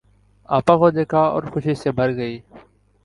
آپا کو دیکھا اور خوشی سے بھر گئی۔